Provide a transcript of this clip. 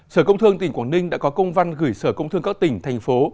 sở công thương tỉnh quảng ninh đã có công văn gửi sở công thương các tỉnh thành phố